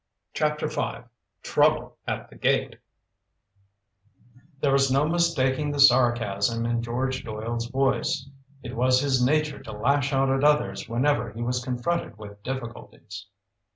CHAPTER V TROUBLE AT THE GATE There was no mistaking the sarcasm in George Doyle's voice. It was his nature to lash out at others whenever he was confronted with difficulties.